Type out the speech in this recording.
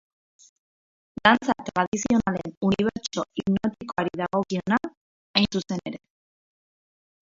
Dantza tradizionalen unibertso hipnotikoari dagokiona, hain zuzen ere.